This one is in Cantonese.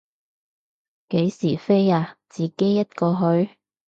幾時飛啊，自己一個去？